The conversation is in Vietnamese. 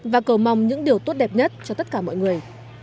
và cầu mong những điều tốt đẹp nhất cho tất cả mọi người